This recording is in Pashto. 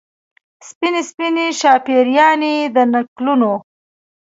سپینې، سپینې شاپیريانې د نکلونو